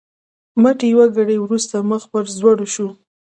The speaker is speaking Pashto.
مټې یوه ګړۍ وروسته مخ پر ځوړو شو.